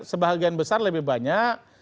sebagian besar lebih banyak